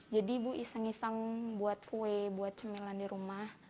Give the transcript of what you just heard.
jadi ibu iseng iseng buat kue buat cemilan di rumah